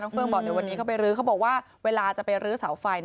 เฟื่องบอกเดี๋ยววันนี้เขาไปรื้อเขาบอกว่าเวลาจะไปรื้อเสาไฟ